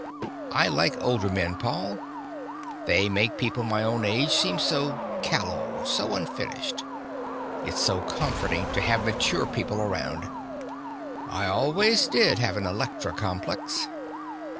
"I like older men, Paul. They make people my own age seem so callow, so unfinished. It's so comforting to have mature people around. I always did have an Electra complex."